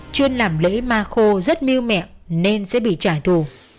chuyên làm lễ ma khô rất mưu mẹ nên sẽ bị trải thù